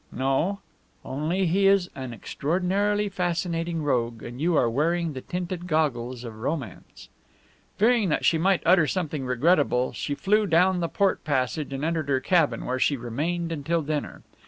"No. Only he is an extraordinarily fascinating rogue, and you are wearing the tinted goggles of romance." Fearing that she might utter something regrettable, she flew down the port passage and entered her cabin, where she remained until dinner.